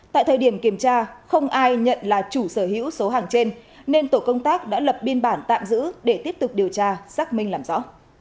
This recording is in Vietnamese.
tại thời điểm kiểm tra không ai nhận là chủ sở hữu số hàng trên nên tổ công tác đã lập biên bản tạm giữ để tiếp tục điều tra xác minh làm rõ